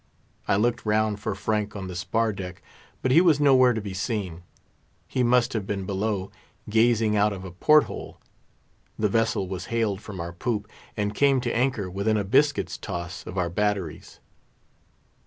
I looked round for Frank on the spar deck, but he was nowhere to be seen. He must have been below, gazing out of a port hole. The vessel was hailed from our poop, and came to anchor within a biscuit's toss of our batteries.